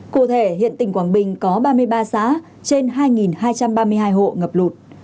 cụ thể hiện tỉnh quảng bình có ba mươi ba xã trên hai hai trăm ba mươi hai hộ ngập lụt